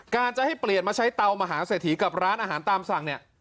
จะให้เปลี่ยนมาใช้เตามหาเศรษฐีกับร้านอาหารตามสั่งเนี่ย